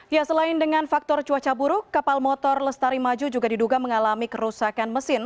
ya selain dengan faktor cuaca buruk kapal motor lestari maju juga diduga mengalami kerusakan mesin